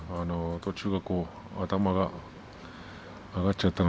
途中、頭が上がっちゃいました。